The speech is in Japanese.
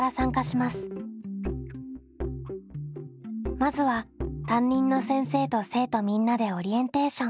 まずは担任の先生と生徒みんなでオリエンテーション。